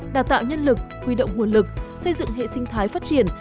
đào tạo nhân lực huy động nguồn lực xây dựng hệ sinh thái phát triển